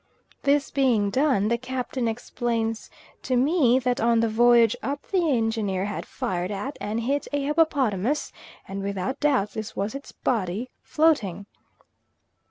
This being done the Captain explains to me that on the voyage up "the Engineer had fired at, and hit a hippopotamus, and without doubt this was its body floating."